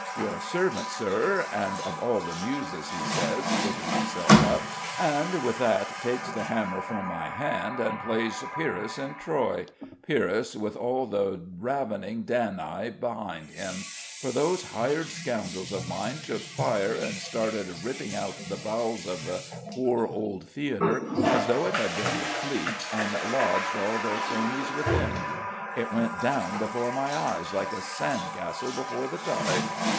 'Your servant, Sir, and of all the Muses,' he says, picking himself up; and with that takes the hammer from my hand and plays Pyrrhus in Troy Pyrrhus with all the ravening Danai behind him: for those hired scoundrels of mine took fire, and started ripping out the bowels of the poor old theatre as though it had been the Fleet and lodged all their cronies within! It went down before my eyes like a sand castle before the tide.